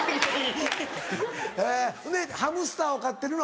へぇでハムスターを飼ってるの。